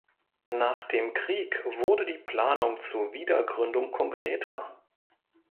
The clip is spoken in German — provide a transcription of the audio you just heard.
Nach dem Krieg wurde die Planung zur Wiedergründung konkreter.